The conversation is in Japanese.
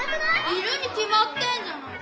いるにきまってんじゃないか。